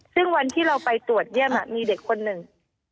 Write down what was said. ซึ่งวันที่เราไปตรวจเยี่ยมมีเด็กคนหนึ่ง